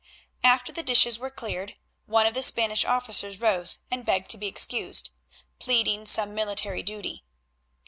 After the dishes were cleared, one of the Spanish officers rose and begged to be excused, pleading some military duty.